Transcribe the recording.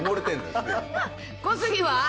小杉は？